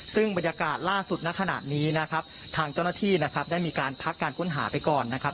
ซึ่งบรรยากาศล่าสุดณขณะนี้นะครับทางเจ้าหน้าที่นะครับได้มีการพักการค้นหาไปก่อนนะครับ